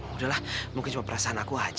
udah lah mungkin cuma perasaan aku aja